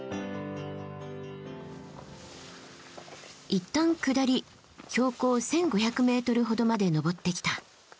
一旦下り標高１，５００ｍほどまで登ってきた。